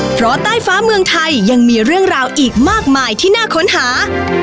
เพราะใต้ฟ้าเมืองไทยยังมีเรื่องราวอีกมากมายที่น่าค้นหา